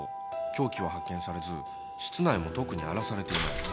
凶器は発見されず室内も特に荒らされていない。